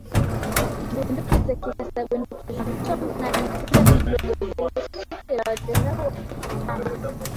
na bunduki za kisasa bunduki za mtombo na mizinga midogo Zelewski aliwadharau Wahehe kama